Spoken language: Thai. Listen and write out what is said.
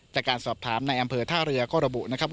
จากการสอบถามในอำเภอท่าเรือก็ระบุนะครับ